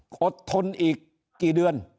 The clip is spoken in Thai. อดทนอีกกี่เดือน